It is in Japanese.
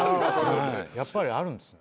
やっぱりあるんすね？